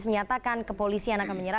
masukkan ke kota jendela